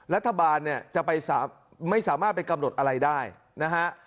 รัฐบาลเนี่ยจะไปไม่สามารถไปกำหนดอะไรได้นะฮะ